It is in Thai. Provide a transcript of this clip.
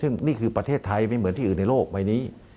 ซึ่งนี่คือประเทศไทยไม่เหมือนที่อื่นในโลกใบนี้